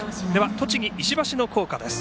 栃木・石橋の校歌です。